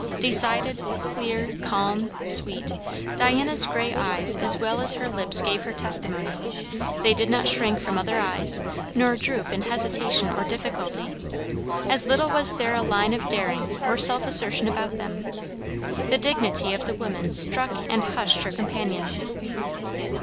Decided, clear, calm, sweet, Diana's grey eyes as well as her lips gave her testimony; they did not shrink from other eyes, nor droop in hesitation or difficulty; as little was there a line of daring or self assertion about them. The dignity of the woman struck and hushed her companions.